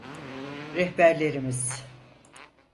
Rehberlerimiz…